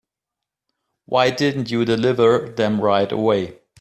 Why didn't you deliver them right away?